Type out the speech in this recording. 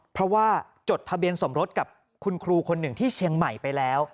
เพราะว่าจดทะเบียนสมรสกับคุณครูคนหนึ่งที่เชียงใหม่ไปแล้ว